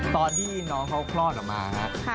ตอนที่น้องเขาคลอดออกมาครับ